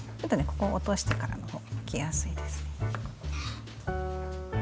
ここを落としてからの方がむきやすいです。